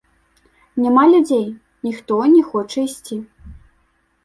Няма людзей, ніхто не хоча ісці.